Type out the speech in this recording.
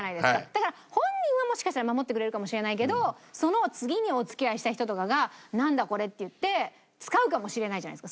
だから本人はもしかしたら守ってくれるかもしれないけどその次にお付き合いした人とかが「なんだ？これ」っていって使うかもしれないじゃないですか。